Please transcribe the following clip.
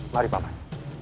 mari pak man